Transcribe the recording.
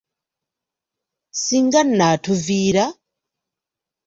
Singa nno atuviira.